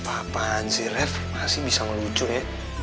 apaan sih ref masih bisa ngelucur ya